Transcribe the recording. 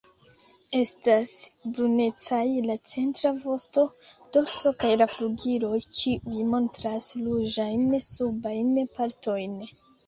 Estas brunecaj la centra vosto, dorso kaj la flugiloj, kiuj montras ruĝajn subajn partojn.